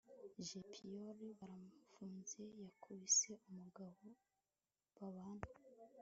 jeyipoli baramufunze yakubise umugore babana